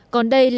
còn đây là